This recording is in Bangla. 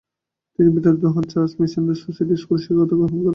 তিনি বিতাড়িত হন এবং চার্চ মিশনারি সোসাইটি স্কুলে শিক্ষকতা গ্রহণ করেন।